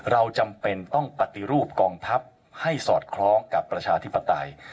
เราจำเป็นต้องปฏิรูปกองทัพให้สอดคล้องกับประชาธิปไตย